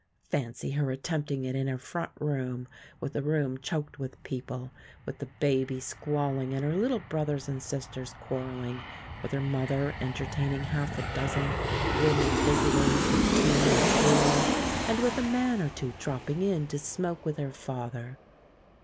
Fancy her attempting it in her front room, with the room choked with people, with the baby squalling, and her little brothers and sisters quarrelling, with her mother entertaining half a dozen women visitors with tea or beer, and with a man or two dropping in to smoke with her father!